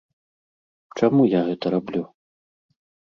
Чаму я гэта раблю?